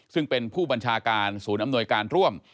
ซึ่งเป็นผู้บัญชาการศูนย์อำนวยการร่วม